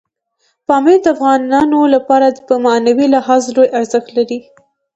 پامیر د افغانانو لپاره په معنوي لحاظ لوی ارزښت لري.